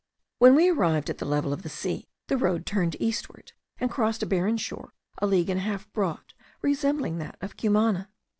When we arrived at the level of the sea, the road turned eastward, and crossed a barren shore a league and a half broad, resembling that of Cumana.